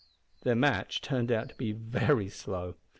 Their match turned out to be very slow.